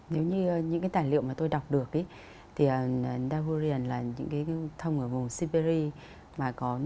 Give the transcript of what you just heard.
nếu như những cái tài liệu mà tôi đọc được thì dahurian là những cái thông ở vùng siberia mà có nhiệt độ mà lạnh thì lạnh rất là sâu và dưới bảy mươi độ cũng như là nóng rất là lớn